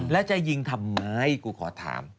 แล้วจะยิงทำไมกูขอถาม